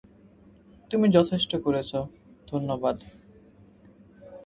তুমি যথেষ্ট করেছ, ধন্যবাদ।